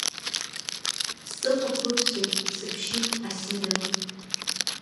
Сҵыхәа ԥыбҵәеит, сыбшьит, Асида…